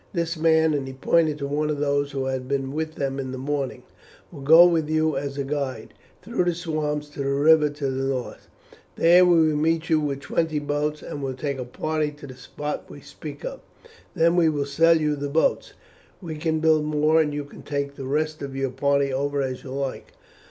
This man," and he pointed to one of those who had been with them in the morning, "will go with you as a guide through the swamps to the river to the north. There we will meet you with twenty boats, and will take a party to the spot we speak of. Then we will sell you the boats we can build more and you can take the rest of your party over as you like.